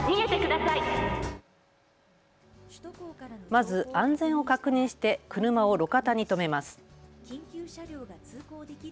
まず安全を確認して車を路肩に止めます。